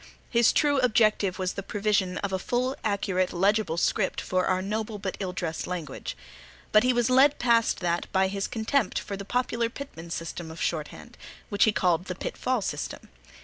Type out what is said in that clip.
His true objective was the provision of a full, accurate, legible script for our noble but ill dressed language; but he was led past that by his contempt for the popular Pitman system of Shorthand, which he called the Pitfall system.